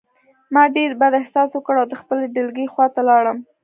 ما ډېر بد احساس وکړ او د خپلې ډلګۍ خواته لاړم